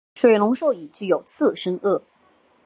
水龙兽已具有次生腭。